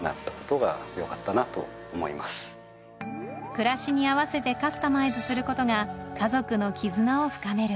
暮らしに合わせてカスタマイズすることが家族の絆を深める